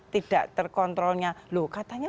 tidak terkontrolnya loh katanya